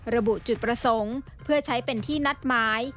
ระบุจุดประสงค์เพื่อใช้เป็นที่นัดหมาย